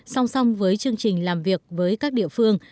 song song với chương trình làm việc với các địa phương